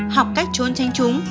học cách trốn tránh chúng